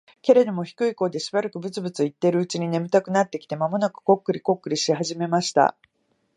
けれども、低い声でしばらくブツブツ言っているうちに、眠たくなってきて、間もなくコックリコックリし始めました。